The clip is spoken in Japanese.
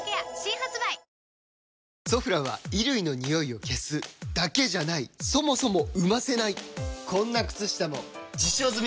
「ソフラン」は衣類のニオイを消すだけじゃないそもそも生ませないこんな靴下も実証済！